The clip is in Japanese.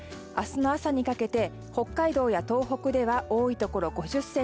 明日の朝にかけて北海道や東北では多いところ、５０ｃｍ